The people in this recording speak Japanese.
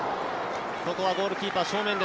ここはゴールキーパー正面。